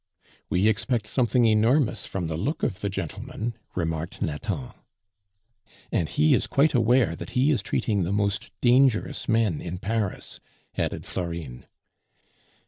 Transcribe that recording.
"We expect something enormous from the look of the gentleman," remarked Nathan. "And he is quite aware that he is treating the most dangerous men in Paris," added Florine.